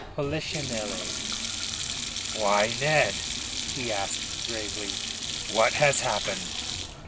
POLICHINELLE "Why, Ned," he asked gravely, "what has happened?"